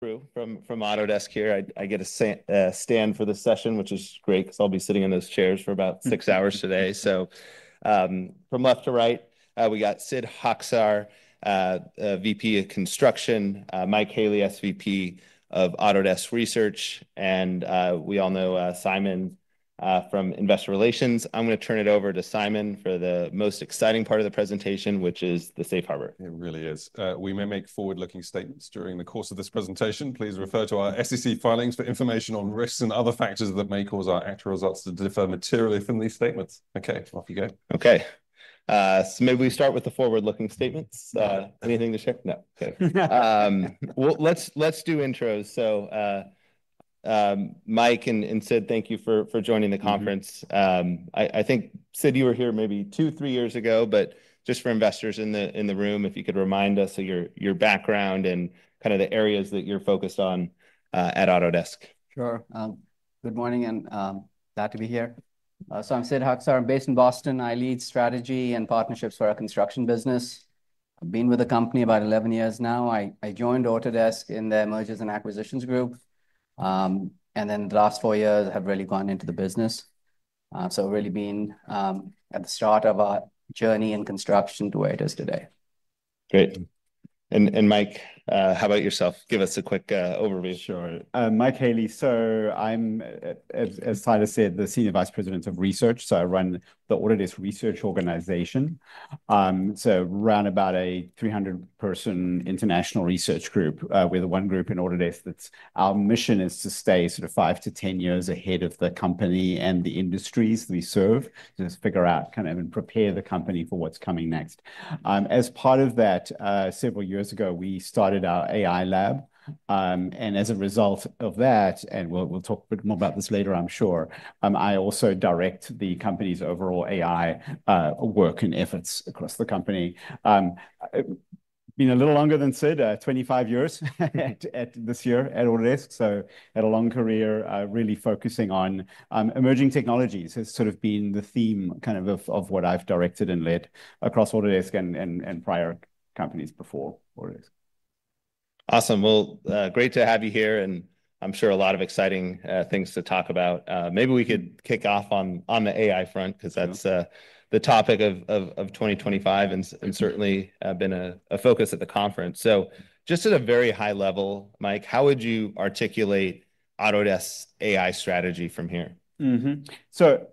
... from Autodesk here. I get a stand for this session, which is great, because I'll be sitting in those chairs for about six hours today. So, from left to right, we got Sid Haksar, VP of Construction, Mike Haley, SVP of Autodesk Research, and we all know Simon from investor relations. I'm going to turn it over to Simon for the most exciting part of the presentation, which is the safe harbor. It really is. We may make forward-looking statements during the course of this presentation. Please refer to our SEC filings for information on risks and other factors that may cause our actual results to differ materially from these statements. Okay, off you go. Okay. So maybe we start with the forward-looking statements. Anything to share? No. Okay. Well, let's do intros. Mike and Sid, thank you for joining the conference. Mm-hmm. I think, Sid, you were here maybe two, three years ago, but just for investors in the room, if you could remind us of your background and kind of the areas that you're focused on at Autodesk. Sure. Good morning, and glad to be here. So I'm Sid Haksar. I'm based in Boston. I lead strategy and partnerships for our construction business. I've been with the company about eleven years now. I joined Autodesk in their mergers and acquisitions group. And then the last four years have really gone into the business. So really been at the start of our journey in construction to where it is today. Great. And Mike, how about yourself? Give us a quick overview. Sure. Mike Haley. So I'm, as Simon said, the senior vice president of research, so I run the Autodesk Research organization, so around about a 300-person international research group, we're the one group in Autodesk that's. Our mission is to stay sort of five to 10 years ahead of the company and the industries we serve, just figure out kind of, and prepare the company for what's coming next. As part of that, several years ago, we started our AI Lab, and as a result of that, and we'll talk a bit more about this later, I'm sure, I also direct the company's overall AI work and efforts across the company. Been a little longer than Sid, 25 years at Autodesk this year, so had a long career really focusing on emerging technologies has sort of been the theme kind of of what I've directed and led across Autodesk and prior companies before Autodesk. Awesome. Well, great to have you here, and I'm sure a lot of exciting things to talk about. Maybe we could kick off on the AI front, because Sure... that's the topic of 2025 and certainly been a focus at the conference. So just at a very high level, Mike, how would you articulate Autodesk's AI strategy from here? Mm-hmm. So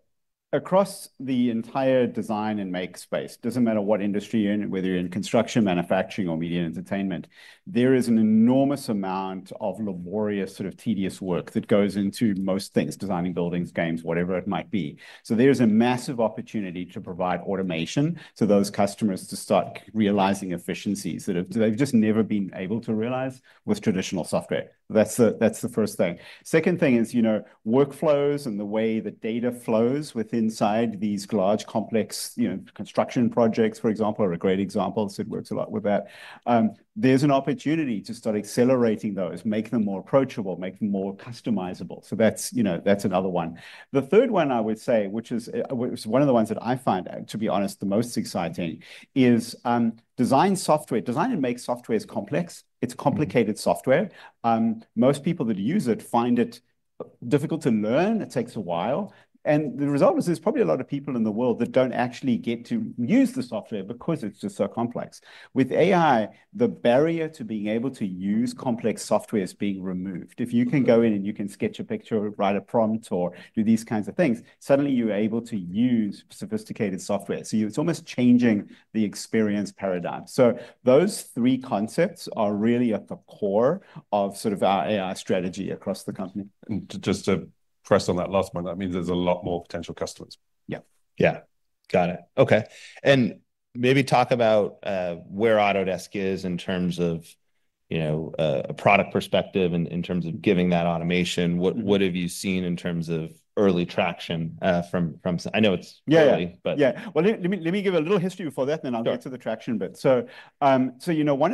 across the entire design and make space, doesn't matter what industry you're in, whether you're in construction, manufacturing, or media and entertainment, there is an enormous amount of laborious, sort of tedious work that goes into most things, designing buildings, games, whatever it might be. So there's a massive opportunity to provide automation to those customers to start realizing efficiencies that they've just never been able to realize with traditional software. That's the first thing. Second thing is, you know, workflows and the way the data flows within these large, complex, you know, construction projects, for example, are a great example. Sid works a lot with that. There's an opportunity to start accelerating those, make them more approachable, make them more customizable. So that's, you know, that's another one. The third one I would say, which is, which is one of the ones that I find, to be honest, the most exciting, is, design software. Design and make software is complex. It's complicated software. Most people that use it find it difficult to learn. It takes a while, and the result is there's probably a lot of people in the world that don't actually get to use the software because it's just so complex. With AI, the barrier to being able to use complex software is being removed. Mm-hmm. If you can go in and you can sketch a picture, write a prompt, or do these kinds of things, suddenly you're able to use sophisticated software. So it's almost changing the experience paradigm. So those three concepts are really at the core of sort of our AI strategy across the company. Just to press on that last point, that means there's a lot more potential customers. Yeah. Yeah. Got it. Okay, and maybe talk about where Autodesk is in terms of, you know, a product perspective and in terms of giving that automation. Mm-hmm. What, what have you seen in terms of early traction, from, from- I know it's early Yeah. but Yeah. Well, let me give a little history before that. Sure .then I'll get to the traction bit. So I mentioned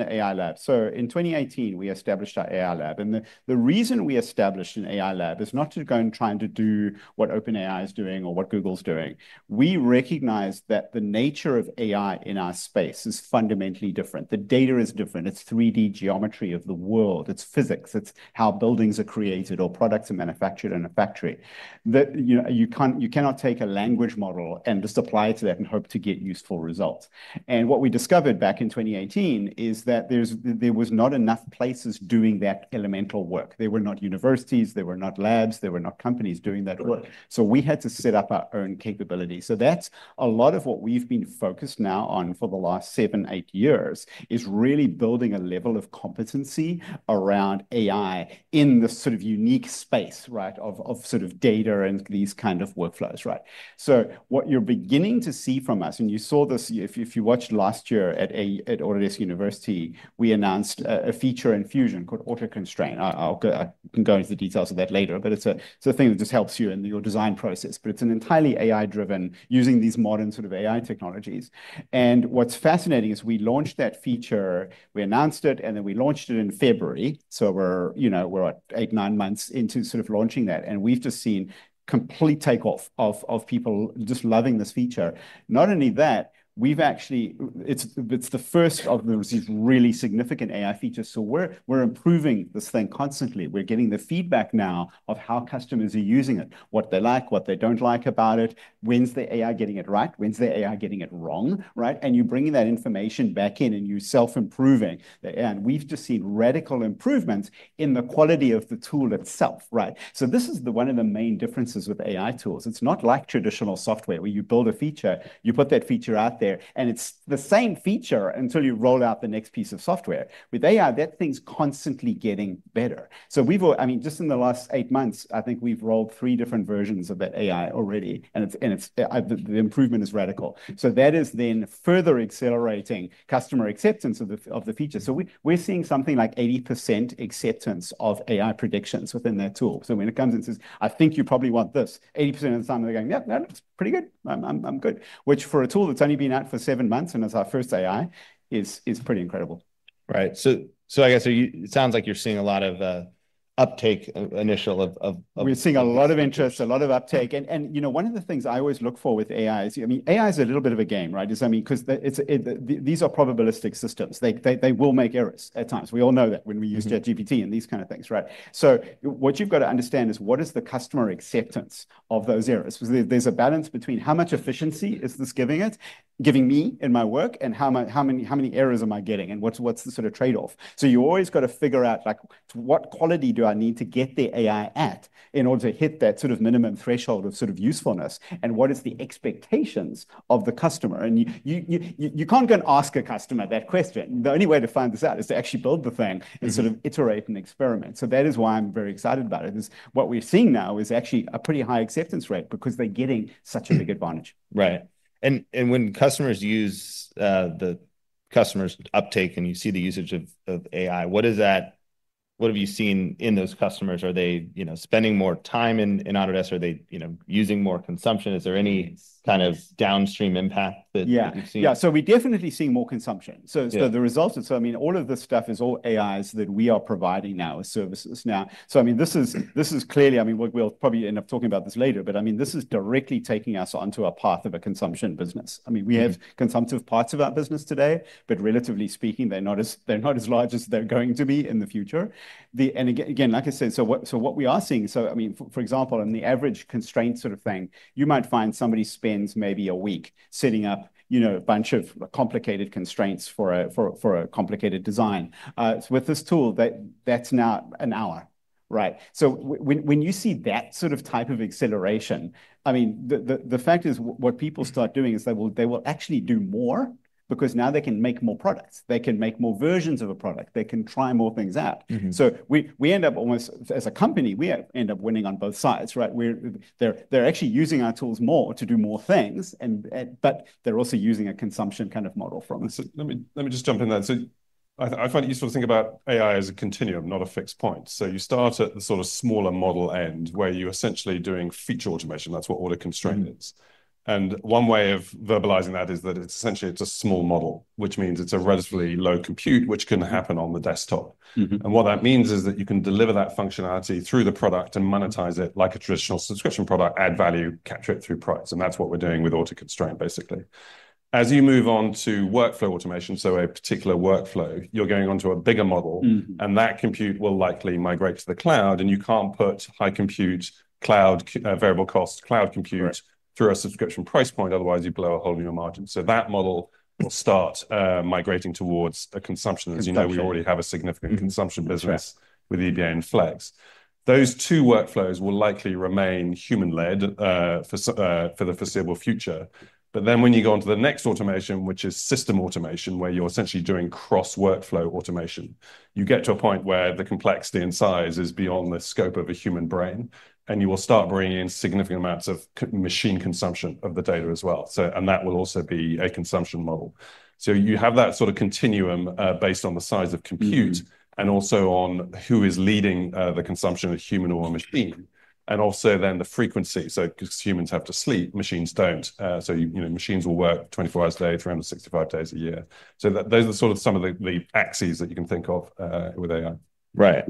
the AI Lab, so in 2018, we established our AI Lab, and the reason we established an AI Lab is not to go and trying to do what OpenAI is doing or what Google's doing. We recognize that the nature of AI in our space is fundamentally different. The data is different. It's 3D geometry of the world, it's physics, it's how buildings are created or products are manufactured in a factory. You know, you cannot take a language model and just apply it to that and hope to get useful results, and what we discovered back in 2018 is that there was not enough places doing that elemental work. There were not universities, there were not labs, there were not companies doing that work. Mm-hmm. So we had to set up our own capability. So that's a lot of what we've been focused now on for the last seven, eight years, is really building a level of competency around AI in this sort of unique space, right, of sort of data and these kind of workflows, right? So what you're beginning to see from us, and you saw this if you watched last year at Autodesk University, we announced a feature in Fusion called Auto Constrain. I'll can go into the details of that later, but it's a thing that just helps you in your design process, but it's an entirely AI-driven, using these modern sort of AI technologies. And what's fascinating is we launched that feature. We announced it, and then we launched it in February. So we're, you know, we're what? Eight, nine months into sort of launching that, and we've just seen complete takeoff of people just loving this feature. Not only that, we've actually... It's the first of these really significant AI features. So we're improving this thing constantly. We're getting the feedback now of how customers are using it, what they like, what they don't like about it, when's the AI getting it right, when's the AI getting it wrong, right? And you're bringing that information back in, and you're self-improving the. And we've just seen radical improvements in the quality of the tool itself, right? So this is the one of the main differences with AI tools. It's not like traditional software, where you build a feature, you put that feature out there, and it's the same feature until you roll out the next piece of software. With AI, that thing's constantly getting better. So we've I mean, just in the last eight months, I think we've rolled three different versions of that AI already, and it's the improvement is radical. So that is then further accelerating customer acceptance of the feature. So we're seeing something like 80% acceptance of AI predictions within that tool. So when it comes and says, "I think you probably want this," 80% of the time, they're going, "Yep, no, it's pretty good. I'm good." Which, for a tool that's only been out for seven months, and it's our first AI, is pretty incredible. Right. So I guess it sounds like you're seeing a lot of uptake, initial of. We're seeing a lot of interest, a lot of uptake. You know, one of the things I always look for with AI is, I mean, AI is a little bit of a game, right? Just, I mean, 'cause these are probabilistic systems. They will make errors at times. We all know that when we use Mm-hmm ChatGPT and these kind of things, right? So what you've got to understand is what is the customer acceptance of those errors? Because there, there's a balance between how much efficiency is this giving it, giving me in my work, and how many errors am I getting, and what's the sort of trade-off? So you've always got to figure out, like, what quality do I need to get the AI at in order to hit that sort of minimum threshold of sort of usefulness, and what is the expectations of the customer? And you can't go and ask a customer that question. The only way to find this out is to actually build the thing Mm-hmm and sort of iterate and experiment. So that is why I'm very excited about it, is what we're seeing now is actually a pretty high acceptance rate because they're getting such a big advantage. Right. And when customers use the customers' uptake, and you see the usage of AI, what is that? What have you seen in those customers? Are they, you know, spending more time in Autodesk? Are they, you know, using more consumption? Is there any kind of downstream impact that- Yeah... you've seen? Yeah, so we're definitely seeing more consumption. Yeah. So the result is, I mean, all of this stuff is AIs that we are providing now as services. So I mean, this is clearly. I mean, we'll probably end up talking about this later, but I mean, this is directly taking us onto a path of a consumption business. I mean, we have Mm consumptive parts of our business today, but relatively speaking, they're not as large as they're going to be in the future. And again, like I said, so what we are seeing, I mean, for example, on the average constraint sort of thing, you might find somebody spends maybe a week setting up, you know, a bunch of complicated constraints for a complicated design. With this tool, that's now an hour, right? So when you see that sort of type of acceleration, I mean, the fact is, what people start doing is they will actually do more because now they can make more products. They can make more versions of a product. They can try more things out. Mm-hmm. We end up almost, as a company, winning on both sides, right? They're actually using our tools more to do more things, and, but they're also using a consumption kind of model from us. So let me just jump in there. So I find it useful to think about AI as a continuum, not a fixed point. So you start at the sort of smaller model end, where you're essentially doing feature automation. That's what Auto Constrain is. Mm. One way of verbalizing that is that it's essentially a small model, which means it's a relatively low compute, which can happen on the desktop. Mm-hmm. What that means is that you can deliver that functionality through the product and monetize it like a traditional subscription product, add value, capture it through price, and that's what we're doing with Auto Constrain, basically. As you move on to workflow automation, so a particular workflow, you're going onto a bigger model Mm and that compute will likely migrate to the cloud, and you can't put high compute, cloud, variable cost cloud computer Right through a subscription price point, otherwise you blow a hole in your margin. So that model will start, migrating towards a consumption. Consumption. As you know, we already have a significant Mm consumption business Correct with EBA and Flex. Those two workflows will likely remain human-led, for the foreseeable future. But then, when you go on to the next automation, which is system automation, where you're essentially doing cross-workflow automation, you get to a point where the complexity and size is beyond the scope of a human brain, and you will start bringing in significant amounts of machine consumption of the data as well. So, and that will also be a consumption model. So you have that sort of continuum, based on the size of compute Mm and also on who is leading, the consumption, a human or a machine, and also then the frequency. So because humans have to sleep, machines don't. So, you know, machines will work twenty-four hours a day, three hundred and sixty-five days a year. So that, those are sort of some of the axes that you can think of with AI. Right.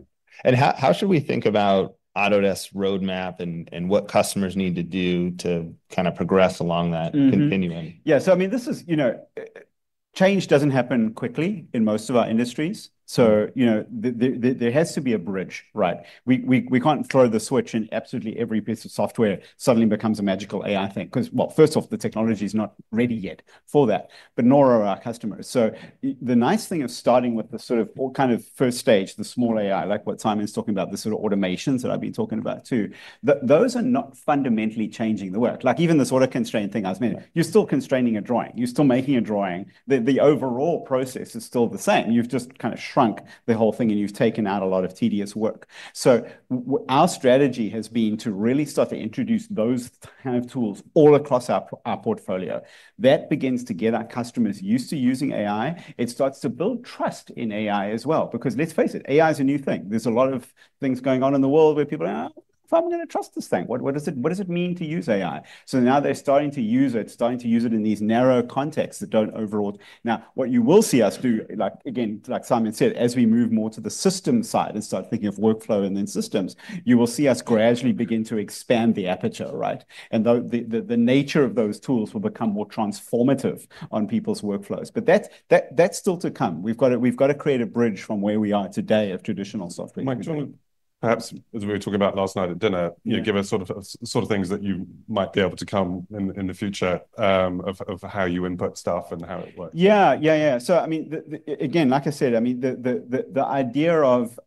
And how should we think about Autodesk's roadmap and what customers need to do to kind of progress along that? Mm-hmm continuum? Yeah. So I mean, this is, you know, change doesn't happen quickly in most of our industries, so you know, there has to be a bridge, right? We can't throw the switch and absolutely every piece of software suddenly becomes a magical AI thing, 'cause, well, first off, the technology's not ready yet for that, but nor are our customers. So the nice thing of starting with the sort of, well, kind of first stage, the small AI, like what Simon's talking about, the sort of automations that I've been talking about, too, those are not fundamentally changing the work. Like, even the sort of constraint thing I was meaning Yeah you're still constraining a drawing. You're still making a drawing. The overall process is still the same. You've just kind of shrunk the whole thing, and you've taken out a lot of tedious work. So our strategy has been to really start to introduce those kind of tools all across our portfolio. That begins to get our customers used to using AI. It starts to build trust in AI as well, because let's face it, AI is a new thing. There's a lot of things going on in the world where people are, "if I'm gonna trust this thing, what does it mean to use AI?" So now they're starting to use it, starting to use it in these narrow contexts that don't overall Now, what you will see us do, like again, like Simon said, as we move more to the system side and start thinking of workflow and then systems, you will see us gradually begin to expand the aperture, right? And though the nature of those tools will become more transformative on people's workflows. But that's still to come. We've got to create a bridge from where we are today of traditional software. Mike, do you want to perhaps, as we were talking about last night at dinner Yeah you give us sort of things that you might be able to come in, in the future, of how you input stuff and how it works? Yeah. So I mean, again, like I said, I mean, the idea of,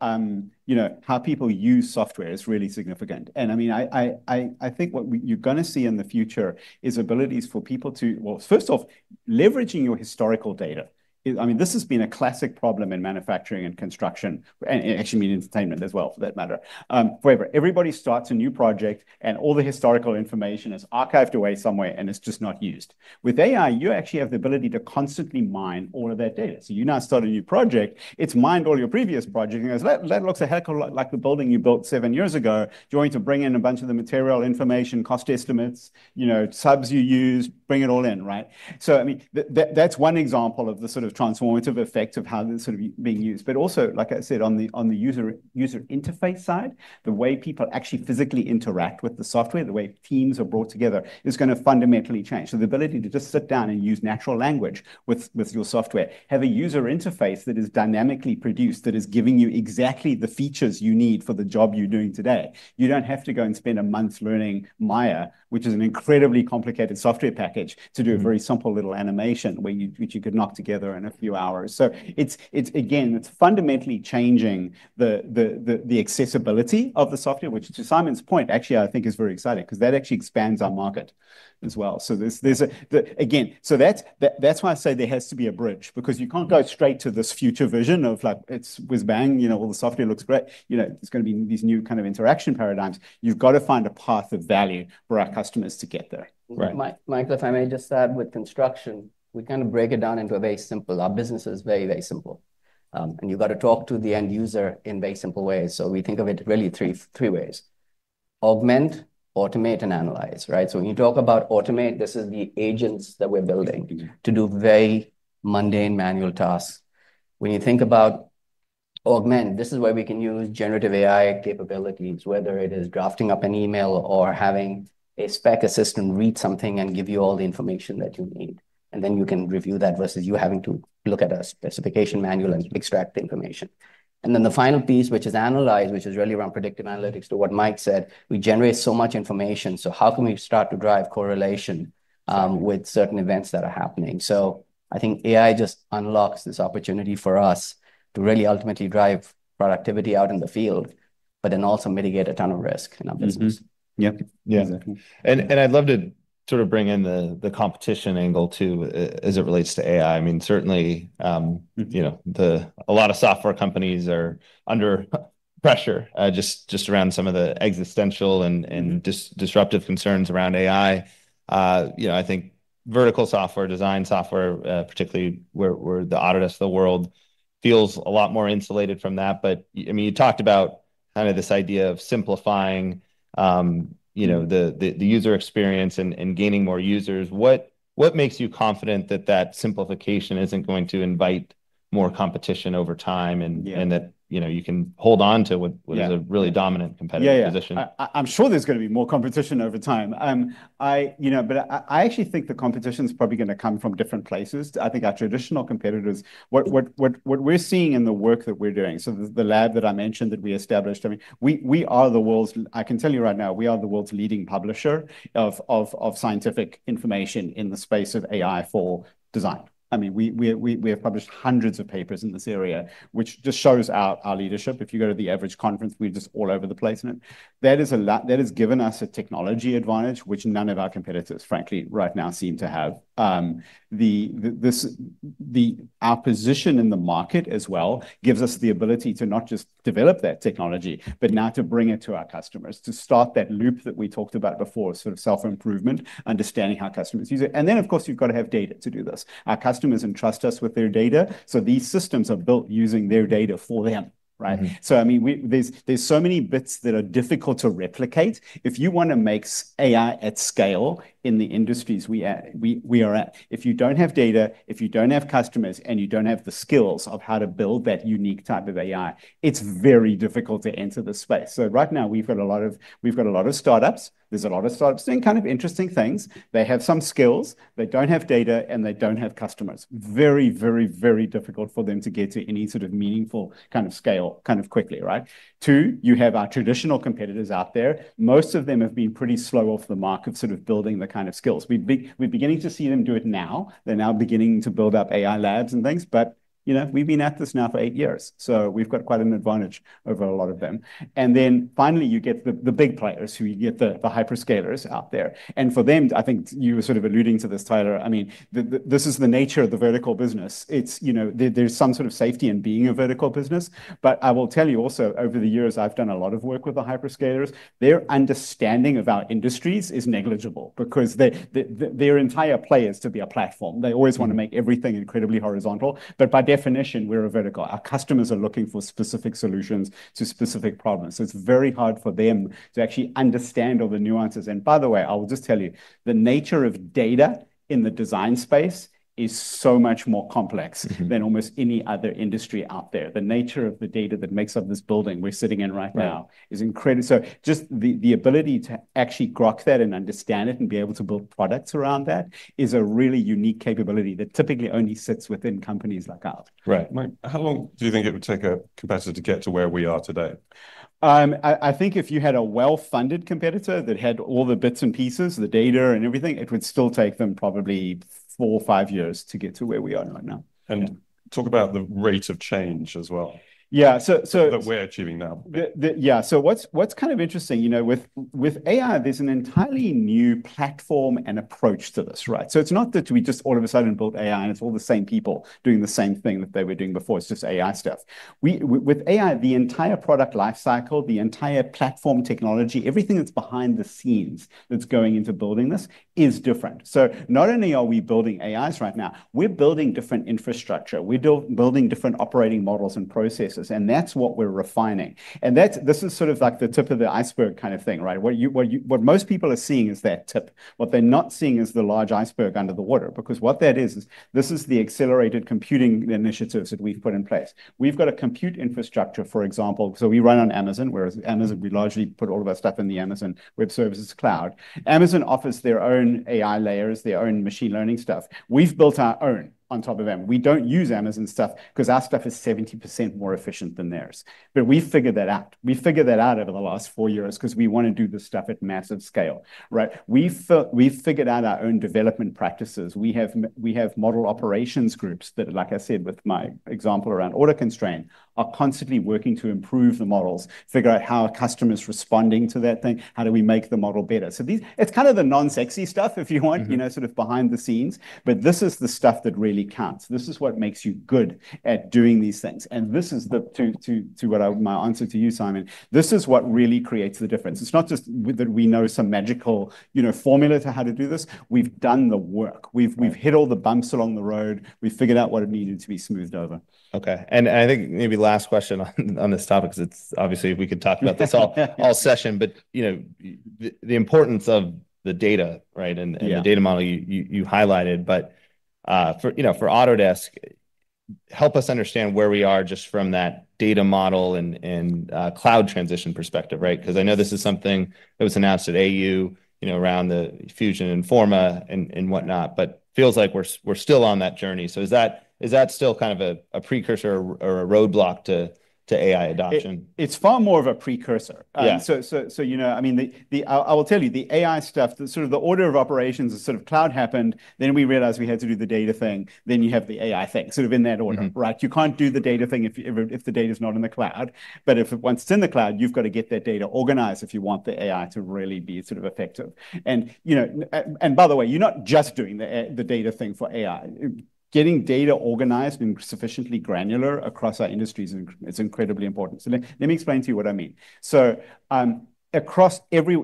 you know, how people use software is really significant. And I mean, I think what you're gonna see in the future is abilities for people to, well, first off, leveraging your historical data. I mean, this has been a classic problem in manufacturing and construction, and actually media entertainment as well, for that matter. Wherever everybody starts a new project and all the historical information is archived away somewhere, and it's just not used. With AI, you actually have the ability to constantly mine all of that data. So you now start a new project, it's mined all your previous projects, and goes, "That looks a heck of a lot like the building you built seven years ago. Do you want to bring in a bunch of the material information, cost estimates, you know, subs you used?" Bring it all in, right? So, I mean, that, that's one example of the sort of transformative effect of how this is sort of being used. But also, like I said, on the user interface side, the way people actually physically interact with the software, the way teams are brought together, is going to fundamentally change. So the ability to just sit down and use natural language with your software, have a user interface that is dynamically produced, that is giving you exactly the features you need for the job you're doing today. You don't have to go and spend a month learning Maya, which is an incredibly complicated software package, to do a very simple little animation which you could knock together in a few hours. So it's again, it's fundamentally changing the accessibility of the software, which, to Simon's point, actually, I think is very exciting because that actually expands our market as well. So there's again, so that's why I say there has to be a bridge, because you can't go straight to this future vision of like, it's whiz bang, you know, all the software looks great. You know, there's going to be these new kind of interaction paradigms. You've got to find a path of value for our customers to get there, right? Mike, Mike, if I may just add, with construction, we kind of break it down into a very simple... Our business is very, very simple. And you've got to talk to the end user in very simple ways. So we think of it really three, three ways: augment, automate, and analyze, right? So when you talk about automate, this is the agents that we're building Mm to do very mundane, manual tasks. When you think about augment, this is where we can use generative AI capabilities, whether it is drafting up an email or having a spec assistant read something and give you all the information that you need, and then you can review that, versus you having to look at a specification manual and extract the information. And then the final piece, which is analyze, which is really around predictive analytics, to what Mike said, we generate so much information, so how can we start to drive correlation, with certain events that are happening? So I think AI just unlocks this opportunity for us to really ultimately drive productivity out in the field, but then also mitigate a ton of risk in our business. Mm-hmm. Yep. Yeah. Exactly. I'd love to sort of bring in the competition angle, too, as it relates to AI. I mean, certainly, you know, a lot of software companies are under pressure, just around some of the existential and disruptive concerns around AI. You know, I think vertical software, design software, particularly where the Autodesk of the world feels a lot more insulated from that. But, I mean, you talked about kind of this idea of simplifying, you know, the user experience and gaining more users. What makes you confident that that simplification isn't going to invite more competition over time Yeah and that, you know, you can hold on to what Yeah what is a really dominant competitive position? Yeah, yeah. I'm sure there's going to be more competition over time. You know, but I actually think the competition's probably going to come from different places. I think our traditional competitors, what we're seeing in the work that we're doing, so the lab that I mentioned that we established. I mean, we are the world's leading publisher of scientific information in the space of AI for design. I mean, we have published hundreds of papers in this area, which just shows our leadership. If you go to the average conference, we're just all over the place in it. That has given us a technology advantage, which none of our competitors, frankly, right now seem to have. Our position in the market as well gives us the ability to not just develop that technology, but now to bring it to our customers, to start that loop that we talked about before, sort of self-improvement, understanding how customers use it, and then, of course, you've got to have data to do this. Our customers entrust us with their data, so these systems are built using their data for them, right? Mm-hmm. So, I mean, there's so many bits that are difficult to replicate. If you want to make AI at scale in the industries we are at, if you don't have data, if you don't have customers, and you don't have the skills of how to build that unique type of AI, it's very difficult to enter the space. So right now, we've got a lot of startups. There's a lot of startups doing kind of interesting things. They have some skills, they don't have data, and they don't have customers. Very, very, very difficult for them to get to any sort of meaningful kind of scale kind of quickly, right? Two, you have our traditional competitors out there. Most of them have been pretty slow off the mark of sort of building the kind of skills. We're beginning to see them do it now. They're now beginning to build up AI Labs and things, but, you know, we've been at this now for eight years, so we've got quite an advantage over a lot of them. And then finally, you get the big players, the hyperscalers out there. And for them, I think you were sort of alluding to this, Tyler, I mean, this is the nature of the vertical business. It's, you know, there's some sort of safety in being a vertical business. But I will tell you also, over the years, I've done a lot of work with the hyperscalers. Their understanding of our industries is negligible because they, their entire play is to be a platform. They always want to make everything incredibly horizontal, but by definition, we're a vertical. Our customers are looking for specific solutions to specific problems, so it's very hard for them to actually understand all the nuances, and by the way, I will just tell you, the nature of data in the design space is so much more complex Mm-hmm than almost any other industry out there. The nature of the data that makes up this building we're sitting in right now Right is incredible. So just the ability to actually grok that and understand it, and be able to build products around that, is a really unique capability that typically only sits within companies like ours. Right. Mike, how long do you think it would take a competitor to get to where we are today? I think if you had a well-funded competitor that had all the bits and pieces, the data and everything, it would still take them probably four or five years to get to where we are right now. Yeah. Talk about the rate of change as well Yeah, so, that we're achieving now. Yeah, so what's kind of interesting, you know, with AI, there's an entirely new platform and approach to this, right? So it's not that we just all of a sudden built AI, and it's all the same people doing the same thing that they were doing before, it's just AI stuff. With AI, the entire product life cycle, the entire platform technology, everything that's behind the scenes that's going into building this, is different. So not only are we building AIs right now, we're building different infrastructure. We're building different operating models and processes, and that's what we're refining. That's this is sort of like the tip of the iceberg kind of thing, right? What most people are seeing is that tip. What they're not seeing is the large iceberg under the water, because what that is, is this is the accelerated computing initiatives that we've put in place. We've got a compute infrastructure, for example, so we run on Amazon, whereas Amazon, we largely put all of our stuff in the Amazon Web Services cloud. Amazon offers their own AI layers, their own machine learning stuff. We've built our own on top of them. We don't use Amazon stuff because our stuff is 70% more efficient than theirs, but we figured that out. We figured that out over the last four years because we want to do this stuff at massive scale, right? We've figured out our own development practices. We have model operations groups that, like I said, with my example around Auto Constrain, are constantly working to improve the models, figure out how a customer is responding to that thing, how do we make the model better? So these it's kind of the non-sexy stuff, if you want Mm-hmm you know, sort of behind the scenes, but this is the stuff that really counts. This is what makes you good at doing these things. And this is the... to what I, my answer to you, Simon, this is what really creates the difference. It's not just that we know some magical, you know, formula to how to do this. We've done the work. Right. We've hit all the bumps along the road. We've figured out what it needed to be smoothed over. Okay. And I think maybe last question on this topic, because it's obviously we could talk about this all session, but you know, the importance of the data, right? Yeah. And the data model you highlighted, but for, you know, for Autodesk, help us understand where we are just from that data model and cloud transition perspective, right? Because I know this is something that was announced at AU, you know, around the Fusion and Forma and whatnot, but feels like we're still on that journey. So is that still kind of a precursor or a roadblock to AI adoption? It's far more of a precursor. Yeah. So you know, I mean, I will tell you, the AI stuff, the sort of order of operations is sort of cloud happened, then we realized we had to do the data thing, then you have the AI thing, sort of in that order. Mm-hmm. Right? You can't do the data thing if the data's not in the cloud, but once it's in the cloud, you've got to get that data organized if you want the AI to really be sort of effective, and, you know, and by the way, you're not just doing the data thing for AI. Getting data organized and sufficiently granular across our industries is incredibly important, so let me explain to you what I mean, so across every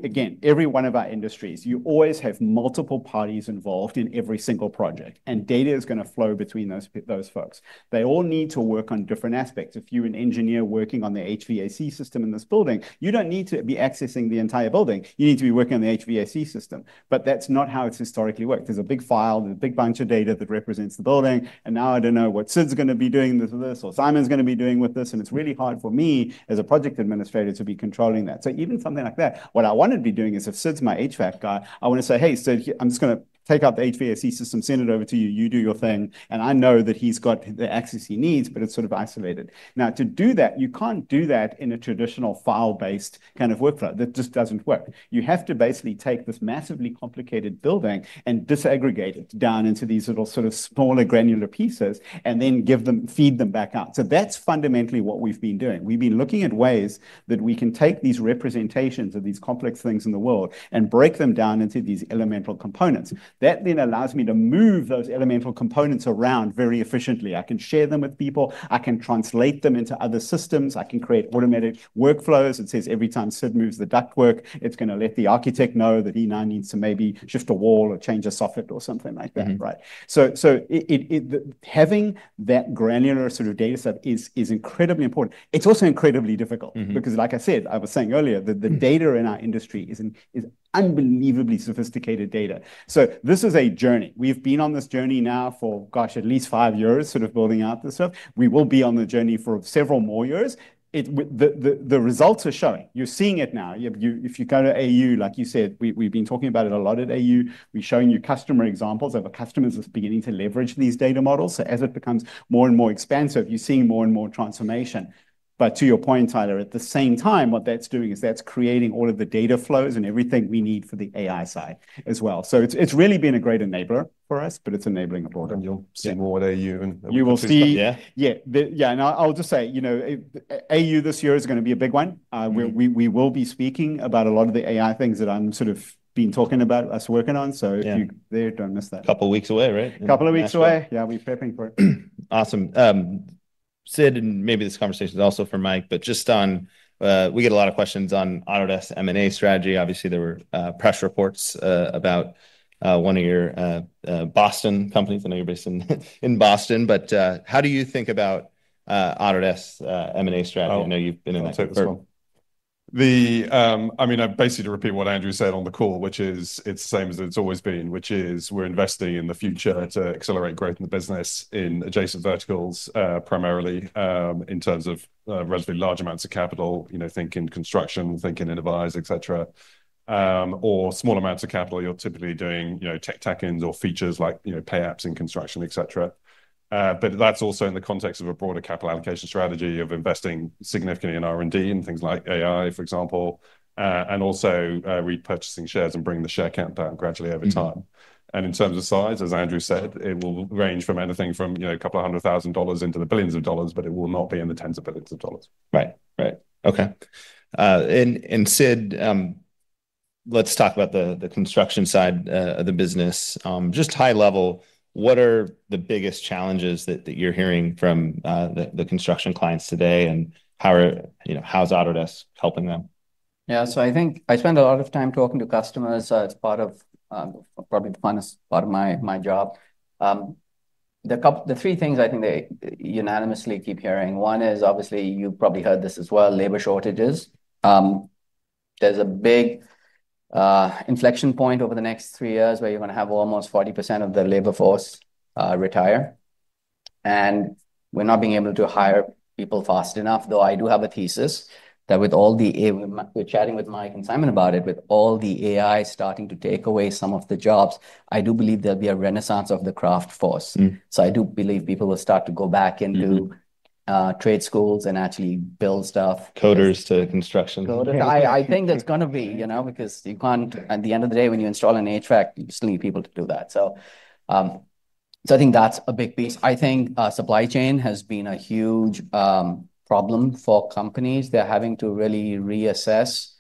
one of our industries, again, you always have multiple parties involved in every single project, and data is going to flow between those folks. They all need to work on different aspects. If you're an engineer working on the HVAC system in this building, you don't need to be accessing the entire building. You need to be working on the HVAC system, but that's not how it's historically worked. There's a big file and a big bunch of data that represents the building, and now I don't know what Sid's going to be doing this or this, or Simon's going to be doing with this, and it's really hard for me as a project administrator to be controlling that. So even something like that, what I want to be doing is, if Sid's my HVAC guy, I want to say, "Hey, Sid, here- I'm just going to take out the HVAC system, send it over to you. You do your thing." And I know that he's got the access he needs, but it's sort of isolated. Now, to do that, you can't do that in a traditional file-based kind of workflow. That just doesn't work. You have to basically take this massively complicated building and disaggregate it down into these little, sort of smaller, granular pieces, and then feed them back out. So that's fundamentally what we've been doing. We've been looking at ways that we can take these representations of these complex things in the world and break them down into these elemental components. That then allows me to move those elemental components around very efficiently. I can share them with people. I can translate them into other systems. I can create automatic workflows that says every time Sid moves the ductwork, it's going to let the architect know that he now needs to maybe shift a wall or change a soffit or something like that. Mm-hmm. Right? So, having that granular sort of data set is incredibly important. It's also incredibly difficult. Mm-hmm. Because, like I said, I was saying earlier Mm that the data in our industry is unbelievably sophisticated data. So this is a journey. We've been on this journey now for, gosh, at least five years, sort of building out this stuff. We will be on the journey for several more years. The results are showing. You're seeing it now. If you go to AU, like you said, we've been talking about it a lot at AU. We've shown you customer examples of our customers that's beginning to leverage these data models. So as it becomes more and more expansive, you're seeing more and more transformation. But to your point, Tyler, at the same time, what that's doing is that's creating all of the data flows and everything we need for the AI side as well. So it's really been a great enabler for us, but it's enabling a broader- You'll see more at AU, and You will see. Yeah. Yeah. Yeah, and I, I'll just say, you know, AU this year is going to be a big one. Mm. We will be speaking about a lot of the AI things that I'm sort of been talking about, us working on. Yeah. So if you're there, don't miss that. Couple weeks away, right? Couple of weeks away. Yeah. Yeah, we're prepping for it. Awesome. Sid, and maybe this conversation is also for Mike, but just on. We get a lot of questions on Autodesk M&A strategy. Obviously, there were press reports about one of your Boston companies. I know you're based in Boston, but how do you think about Autodesk's M&A strategy? I know you've been in that as well. I mean, basically to repeat what Andrew said on the call, which is it's the same as it's always been, which is we're investing in the future to accelerate growth in the business, in adjacent verticals, primarily, in terms of, relatively large amounts of capital. You know, think in construction, think in enterprise, et cetera. Or small amounts of capital, you're typically doing, you know, tech tuck-ins or features like, you know, Payapps in construction, et cetera. But that's also in the context of a broader capital allocation strategy of investing significantly in R&D, in things like AI, for example, and also, repurchasing shares and bringing the share count down gradually over time. Mm. And in terms of size, as Andrew said, it will range from anything from, you know, $200,000 into the billions of dollars, but it will not be in the tens of billions of dollars. Right. Right. Okay. And Sid, let's talk about the construction side of the business. Just high level, what are the biggest challenges that you're hearing from the construction clients today? And, you know, how's Autodesk helping them? Yeah. So I think I spend a lot of time talking to customers as part of probably the funnest part of my job. The three things I think they unanimously keep hearing, one is obviously, you've probably heard this as well, labor shortages. There's a big inflection point over the next three years, where you're going to have almost 40% of the labor force retire, and we're not being able to hire people fast enough. Though I do have a thesis that with all the AI we're chatting with Mike and Simon about it, with all the AI starting to take away some of the jobs, I do believe there'll be a renaissance of the craft force. Mm. So, I do believe people will start to go back into Mm-hmm trade schools and actually build stuff. Coders to construction. I think there's going to be, you know, because you can't... At the end of the day, when you install an HVAC, you still need people to do that. So I think that's a big piece. I think supply chain has been a huge problem for companies. They're having to really reassess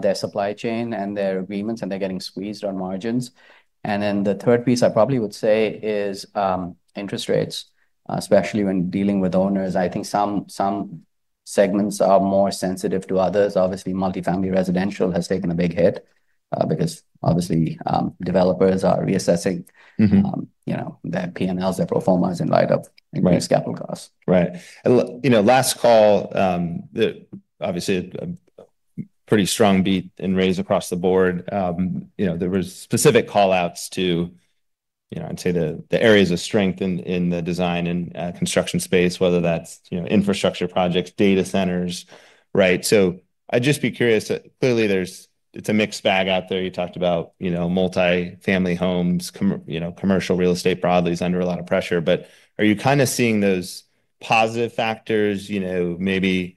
their supply chain and their agreements, and they're getting squeezed on margins. And then the third piece, I probably would say, is interest rates, especially when dealing with owners. I think some segments are more sensitive to others. Obviously, multifamily residential has taken a big hit, because, obviously, developers are reassessing Mm-hmm you know, their P&Ls, their pro formas, in light of Right increased capital costs. Right. And you know, last call, the obviously pretty strong beat and raise across the board. You know, there was specific call-outs to, you know, I'd say, the areas of strength in the design and construction space, whether that's, you know, infrastructure projects, data centers, right? So I'd just be curious. Clearly, there's, it's a mixed bag out there. You talked about, you know, multifamily homes, you know, commercial real estate broadly is under a lot of pressure. But are you kind of seeing those positive factors, you know, maybe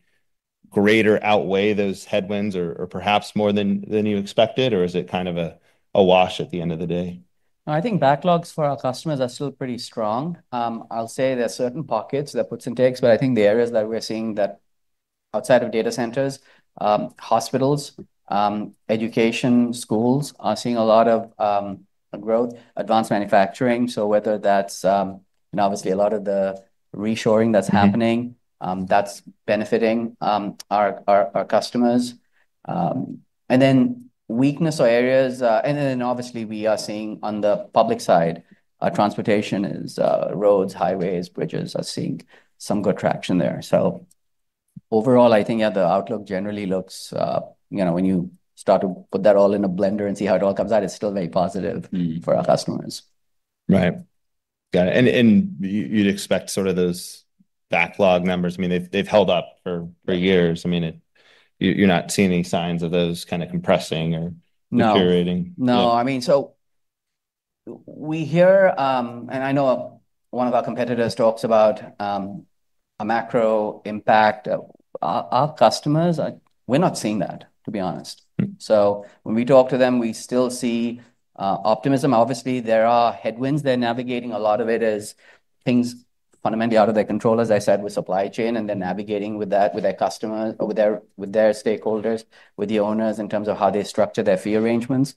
greater outweigh those headwinds or perhaps more than you expected? Or is it kind of a wash at the end of the day? I think backlogs for our customers are still pretty strong. I'll say there are certain pockets that puts and takes, but I think the areas that we're seeing that outside of data centers, hospitals, education, schools are seeing a lot of growth, advanced manufacturing. So whether that's, and obviously, a lot of the reshoring that's happening- Mm. That's benefiting our customers. And then weakness or areas. And then, obviously, we are seeing on the public side, transportation is roads, highways, bridges are seeing some good traction there. So overall, I think, yeah, the outlook generally looks. You know, when you start to put that all in a blender and see how it all comes out, it's still very positive. Mm... for our customers. Right. Got it. And you, you'd expect sort of those backlog numbers. I mean, they've held up for years. I mean, you're not seeing any signs of those kind of compressing or- No - deteriorating? No, I mean, so we hear. And I know one of our competitors talks about a macro impact. Our customers, we're not seeing that, to be honest. Mm. So when we talk to them, we still see optimism. Obviously, there are headwinds. They're navigating a lot of it as things fundamentally out of their control, as I said, with supply chain, and they're navigating with that, with their stakeholders, with the owners, in terms of how they structure their fee arrangements.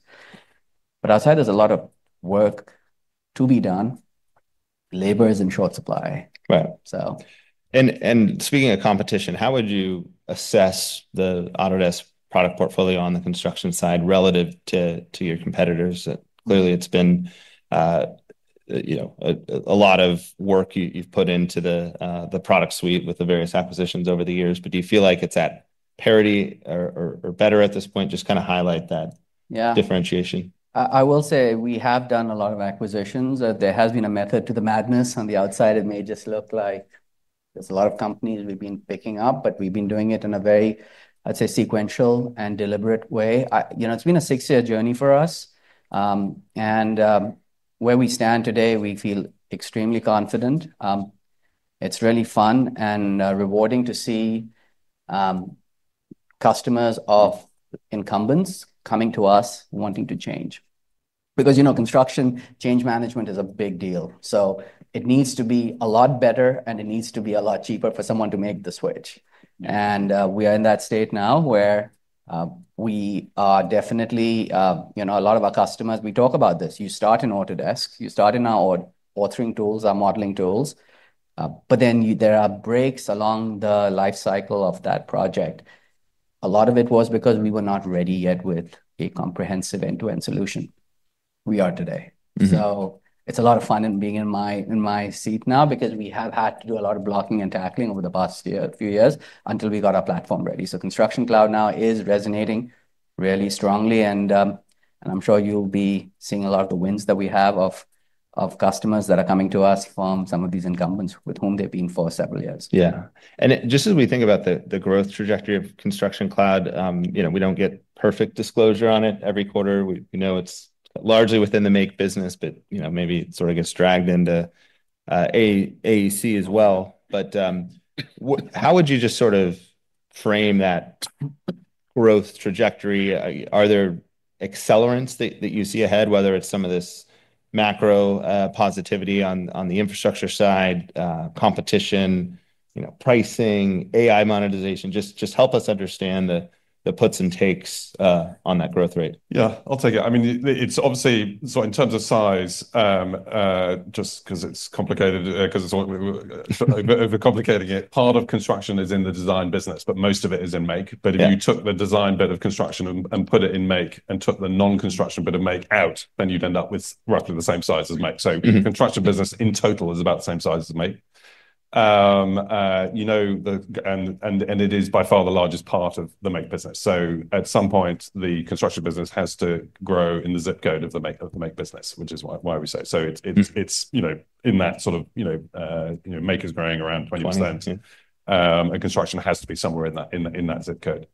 But I'll say there's a lot of work to be done. Labor is in short supply. Right... so. Speaking of competition, how would you assess the Autodesk product portfolio on the construction side relative to your competitors? Clearly, it's been, you know, a lot of work you've put into the product suite with the various acquisitions over the years. But do you feel like it's at parity or better at this point? Just kind of highlight that. Yeah... differentiation. I will say we have done a lot of acquisitions. There has been a method to the madness. On the outside, it may just look like there's a lot of companies we've been picking up, but we've been doing it in a very, I'd say, sequential and deliberate way. You know, it's been a six-year journey for us. And where we stand today, we feel extremely confident. It's really fun and rewarding to see customers of incumbents coming to us wanting to change. Because, you know, construction, change management is a big deal, so it needs to be a lot better, and it needs to be a lot cheaper for someone to make the switch. Mm. We are in that state now, where we are definitely. You know, a lot of our customers, we talk about this. You start in Autodesk, you start in our authoring tools, our modeling tools, but then there are breaks along the life cycle of that project. A lot of it was because we were not ready yet with a comprehensive end-to-end solution. We are today. Mm-hmm. So it's a lot of fun being in my seat now, because we have had to do a lot of blocking and tackling over the past year, few years, until we got our platform ready. So Construction Cloud now is resonating really strongly, and I'm sure you'll be seeing a lot of the wins that we have of customers that are coming to us from some of these incumbents with whom they've been for several years. Yeah. And just as we think about the growth trajectory of Construction Cloud, you know, we don't get perfect disclosure on it every quarter. We know it's largely within the Make business, but, you know, maybe it sort of gets dragged into AE, AEC as well. But how would you just sort of frame that growth trajectory? Are there accelerants that you see ahead, whether it's some of this macro positivity on the infrastructure side, competition, you know, pricing, AI monetization? Just help us understand the puts and takes on that growth rate. Yeah, I'll take it. I mean, it's obviously... So in terms of size, just because it's complicated, because it's, like, overcomplicating it, part of construction is in the design business, but most of it is in Make. Yeah. But if you took the design bit of construction and put it in Make and took the non-construction bit of Make out, then you'd end up with roughly the same size as Make. Mm-hmm. So the construction business in total is about the same size as Make. You know, it is by far the largest part of the Make business. So at some point, the construction business has to grow in the zip code of the Make business, which is why we say. Mm-hmm. So it's, you know, in that sort of, you know, Make is growing around 20% 20%. Mm .and construction has to be somewhere in that zip code.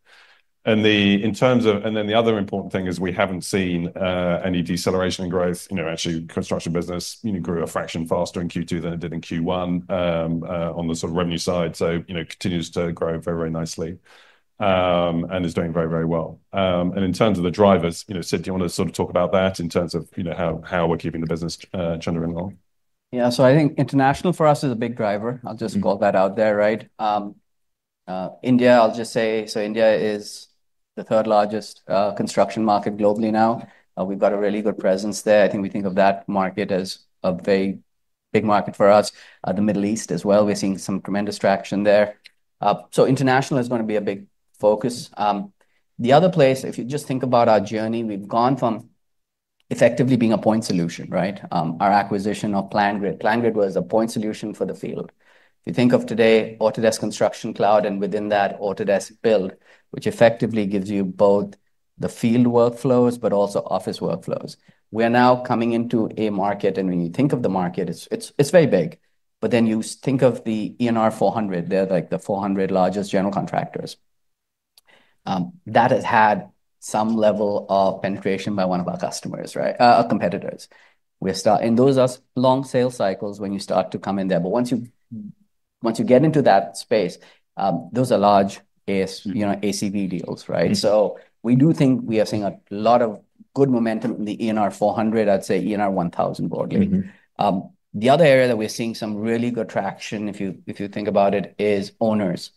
And then the other important thing is we haven't seen any deceleration in growth. You know, actually, construction business, you know, grew a fraction faster in Q2 than it did in Q1 on the sort of revenue side. So, you know, continues to grow very, very nicely and is doing very, very well. And in terms of the drivers, you know, Sid, do you want to sort of talk about that in terms of, you know, how we're keeping the business chugging along? Yeah, so I think international for us is a big driver. Mm-hmm. I'll just call that out there, right? India, I'll just say, so India is the third-largest construction market globally now. We've got a really good presence there. I think we think of that market as a very big market for us. The Middle East as well, we're seeing some tremendous traction there. So international is going to be a big focus. The other place, if you just think about our journey, we've gone from effectively being a point solution, right? Our acquisition of PlanGrid. PlanGrid was a point solution for the field. If you think of today, Autodesk Construction Cloud, and within that, Autodesk Build, which effectively gives you both the field workflows but also office workflows. We are now coming into a market, and when you think of the market, it's very big, but then you think of the ENR 400. They're like the 400 largest general contractors that has had some level of penetration by one of our customers, right? Competitors. And those are long sales cycles when you start to come in there, but once you, once you get into that space, those are large AS Mm-hmm you know, ACV deals, right? Mm-hmm. So we do think we are seeing a lot of good momentum in the ENR 400, I'd say ENR 1,000, broadly. Mm-hmm. The other area that we're seeing some really good traction, if you think about it, is owners.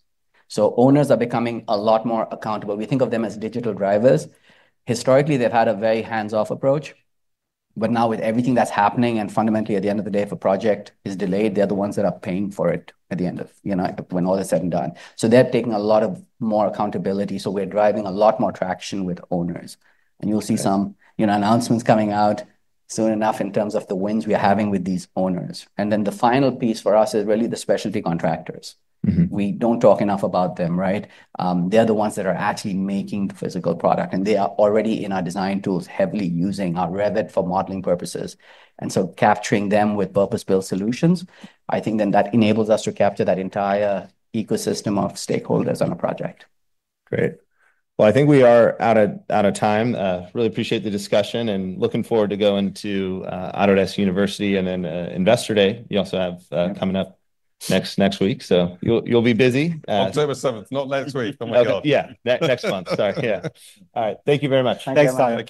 So owners are becoming a lot more accountable. We think of them as digital drivers. Historically, they've had a very hands-off approach, but now with everything that's happening, and fundamentally, at the end of the day, if a project is delayed, they're the ones that are paying for it at the end of... You know, when all is said and done. So they're taking a lot of more accountability, so we're driving a lot more traction with owners. Great. You'll see some, you know, announcements coming out soon enough in terms of the wins we are having with these owners. Then the final piece for us is really the specialty contractors. Mm-hmm. We don't talk enough about them, right? They're the ones that are actually making the physical product, and they are already in our design tools, heavily using our Revit for modeling purposes, and so capturing them with purpose-built solutions. I think then that enables us to capture that entire ecosystem of stakeholders on a project. Great. Well, I think we are out of time. Really appreciate the discussion, and looking forward to going to Autodesk University, and then Investor Day. You also have Yeah... coming up next, next week, so you'll be busy. October 7th, not next week. Oh, my God. Yeah. Next, next month. Sorry, yeah. All right, thank you very much. Thank you, everyone. Thanks, Sanjay.